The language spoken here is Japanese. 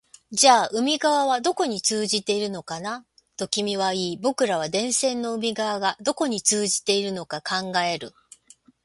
じゃあ海側はどこに通じているのかな、と君は言い、僕らは電線の海側がどこに通じているのか考える